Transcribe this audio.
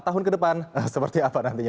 tahun ke depan seperti apa nantinya